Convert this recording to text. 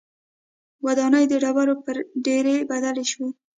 ودانۍ د ډبرو پر ډېرۍ بدلې شوې.